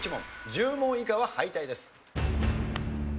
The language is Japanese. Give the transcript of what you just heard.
１０問以下は敗退です。